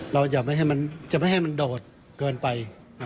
เราอยากจะไม่ให้มันโดดเกินไป